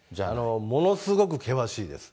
ものすごく険しいです。